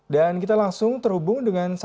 dan kita langsung terhubung dengan sasaran